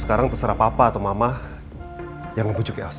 sekarang terserah papa atau mama yang membujuk elsa